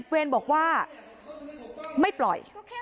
เวรบอกว่าไม่ปล่อย